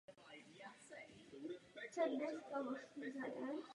Přesné vymezení oblasti původu není vzhledem k dlouhé historii pěstování možné.